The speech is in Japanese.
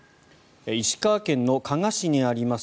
石川県加賀市にあります